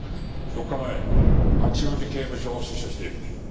日前八王子刑務所を出所している。